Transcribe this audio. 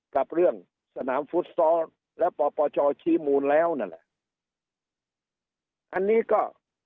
กับเรื่องสนามฟุตซอลและปปชชี้มูลแล้วนั่นแหละอันนี้ก็